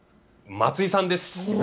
松井さんです。